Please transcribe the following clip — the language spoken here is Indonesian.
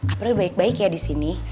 april baik baik ya disini